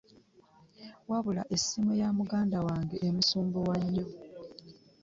Wabula esimu ya muganda wange emusumbuwa nnyo.